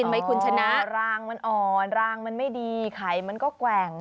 มันแกว่งกับไข่มันแกว่ง